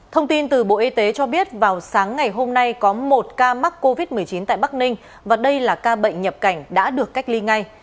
thông tin từ bộ y tế cho biết vào sáng ngày hôm nay có một ca mắc covid một mươi chín tại bắc ninh và đây là ca bệnh nhập cảnh đã được cách ly ngay